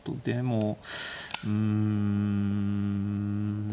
でもうん。